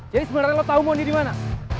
jadi sebenernya lo tau mau undi dimana